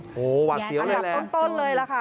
โอ้โฮหวัดเตี๋ยวเลยแหละอันต้นเลยแหละค่ะ